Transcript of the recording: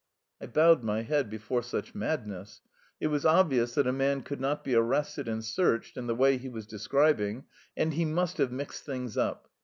I bowed my head before such madness. It was obvious that a man could not be arrested and searched in the way he was describing, and he must have mixed things up.